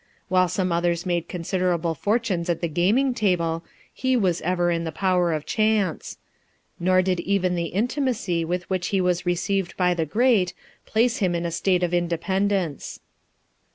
While others made considerable fortunes at the gaming table, he was ever in the power of chance ; nor did even the intimacy with which he was received by the great, place him in a state of independence.